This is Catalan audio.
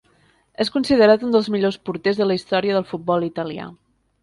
És considerat un dels millors porters de la història del futbol italià.